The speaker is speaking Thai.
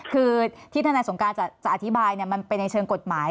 คือที่ทนายสงการจะอธิบายมันเป็นในเชิงกฎหมาย